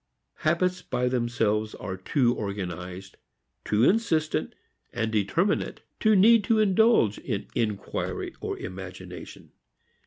Habits by themselves are too organized, too insistent and determinate to need to indulge in inquiry or imagination.